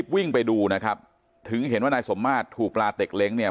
วิ่งไปดูนะครับถึงเห็นว่านายสมมาตรถูกปลาเต็กเล้งเนี่ย